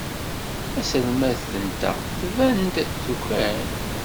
Taselmadt-nteɣ tban-d tukan.